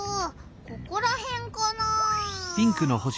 ここらへんかな。